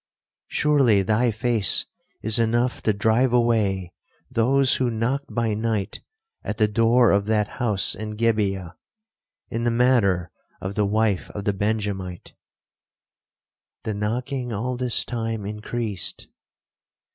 Surely thy face is enough to drive away those who knocked by night at the door of that house in Gibeah, in the matter of the wife of the Benjamite.' The knocking all this time increased.